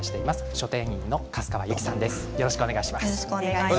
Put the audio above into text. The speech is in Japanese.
書店員の粕川ゆきさんです。